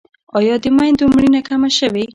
آیا د میندو مړینه کمه شوې؟